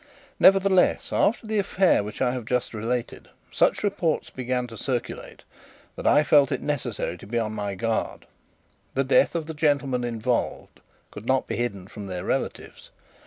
Nevertheless, after the affray which I have just related, such reports began to circulate that I felt it necessary to be on my guard. The death of the gentlemen involved could not be hidden from their relatives.